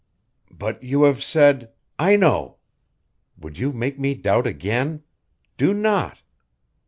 "But you have said " "I know! Would you make me doubt again? Do not!